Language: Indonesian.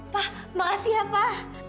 pak makasih ya pak